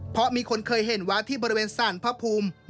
เพราะมีคนเคยเห็นว่าที่บริเวณสารพระภูมิ